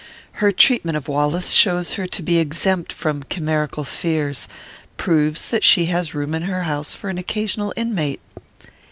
Her treatment of Wallace shows her to be exempt from chimerical fears, proves that she has room in her house for an occasional inmate."